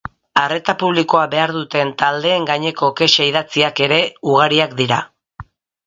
Arreta publikoa behar duten taldeen gaineko kexa idatziak ere ugariak dira.